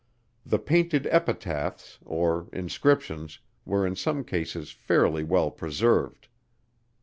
The painted epitaphs, or inscriptions, were in some cases fairly well preserved.